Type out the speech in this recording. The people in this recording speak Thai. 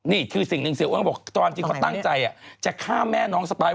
นี่คือสิ่งหนึ่งเสียอ้วนบอกความจริงเขาตั้งใจจะฆ่าแม่น้องสปาย